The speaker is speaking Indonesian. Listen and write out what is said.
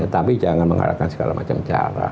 tapi jangan mengarahkan segala macam cara